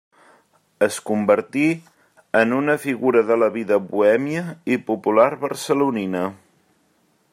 Es convertí en una figura de la vida bohèmia i popular barcelonina.